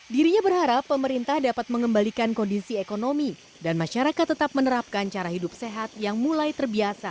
dirinya berharap pemerintah dapat mengembalikan kondisi ekonomi dan masyarakat tetap menerapkan cara hidup sehat yang mulai terbiasa